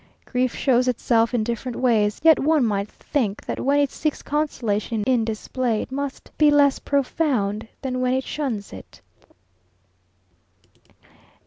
Grief shows itself in different ways; yet one might think that when it seeks consolation in display, it must be less profound than when it shuns it.